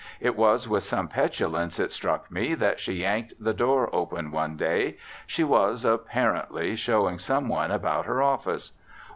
It was with some petulance, it struck me, that she yanked the door open one day. She was, apparently, showing some one about her office.